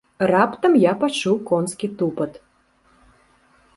Раптам я пачуў конскі тупат.